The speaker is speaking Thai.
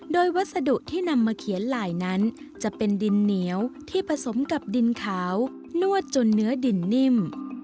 โดยวัสดุที่นำมาเขียนลายนั้นจะเป็นดินเหนียวที่ผสมกับดินขาวนวดจนเนื้อดินนิ่ม